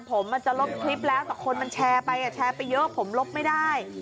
ผมอาจจะลบคลิปแล้วแต่คนมันแชร์ไปแชร์ไปเยอะผมลบไม่ได้